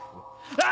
あ！